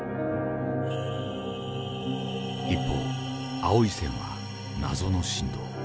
一方青い線は謎の震動。